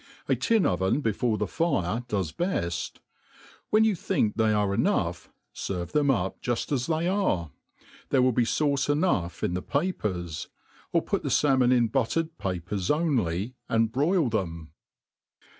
A tin oven before the 'fire d<?es beft. When you think they are enough, ferve them up juft as they are. There will be fauce enough in the papers; or put the /alffion in buttered papers only, and broil them.